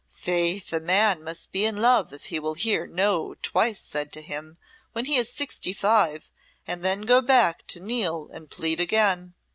Faith, a man must be in love if he will hear 'No' twice said to him when he is sixty five and then go back to kneel and plead again."